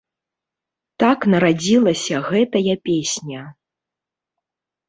Так нарадзілася гэтая песня.